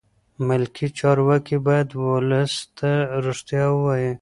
ملکي چارواکي باید ولس ته رښتیا ووایي.